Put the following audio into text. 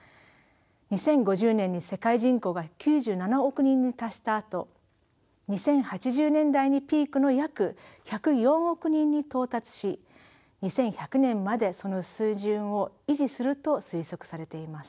２０５０年に世界人口が９７億人に達したあと２０８０年代にピークの約１０４億人に到達し２１００年までその水準を維持すると推測されています。